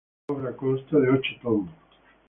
La obra conta de ocho tomos.